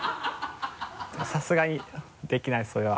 さすがにできないですそれは。